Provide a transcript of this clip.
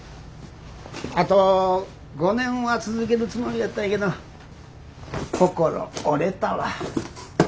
あと５年は続けるつもりやったんやけど心折れたわ。